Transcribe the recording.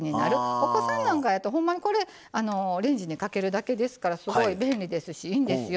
お子さんなんかやとほんまにこれレンジにかけるだけですからすごい便利ですしいいんですよ。